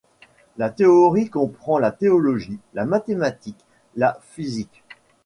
La théorique comprend la théologie, la mathématique, la physique.